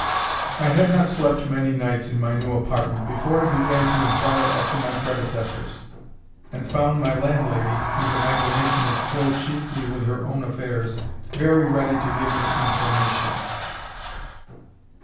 I70 THE RAMBLER. I had not slept many nights in my new apartment before I began to inquire after my predecessors, and found m y landlady, whose imagination is filled .chiefly with her owr^ affairs, very ready to give me information.